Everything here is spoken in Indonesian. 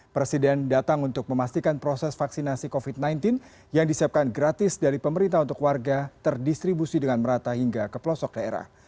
presiden datang untuk memastikan proses vaksinasi covid sembilan belas yang disiapkan gratis dari pemerintah untuk warga terdistribusi dengan merata hingga ke pelosok daerah